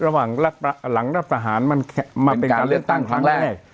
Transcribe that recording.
ระหว่างหลังรัฐประหารมันเป็นการเลือกตั้งครั้งแรก